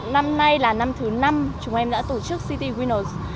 năm nay là năm thứ năm chúng em đã tổ chức city winners